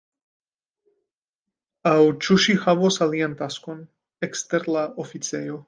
Aŭ ĉu ŝi havos alian taskon, ekster la oficejo?